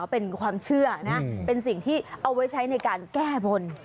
เป็นความเชื่อนะเป็นสิ่งที่เอาไว้ใช้ในการแก้บน